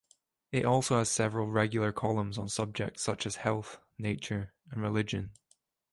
It also has several regular columns on subjects such as health, nature, and religion.